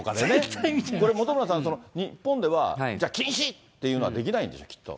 本村さん、日本ではじゃあ、禁止っていうのはできないんでしょ、きっと。